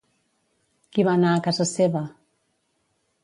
Qui va anar a casa seva?